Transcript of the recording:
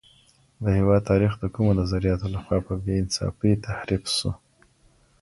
د هېواد تاریخ د کومو نظریاتو له خوا په بې انصافۍ تحریف سو؟